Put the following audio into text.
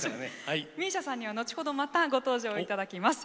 ＭＩＳＩＡさんには後ほど、またご登場いただきます。